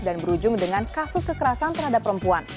dan berujung dengan kasus kekerasan terhadap perempuan